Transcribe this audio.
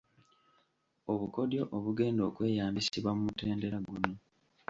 Obukodyo obugenda okweyambisibwa mu mutendera guno.